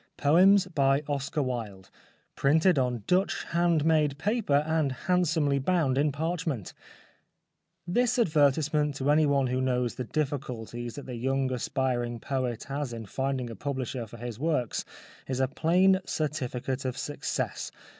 POEMS. By OSCAR WILDE PRINTED ON DUTCH HANDMADE PAPER AND HANDSOMELY BOUND IN PARCHMENT This advertisement to anyone who knows the difhculties that the young aspiring poet has in finding a publisher for his works is a plain certi ficate of success.